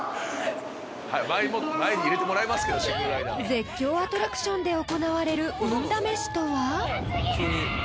［絶叫アトラクションで行われる運試しとは？］